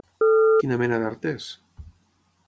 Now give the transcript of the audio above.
Quina mena d'art és?